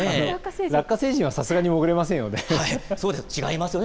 ラッカ星人はさすがに潜れませんよね。